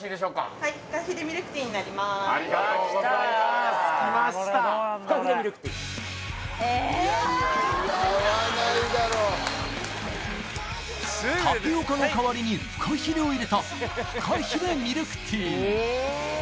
ええいやいや合わないだろタピオカの代わりにフカヒレを入れたフカヒレミルクティー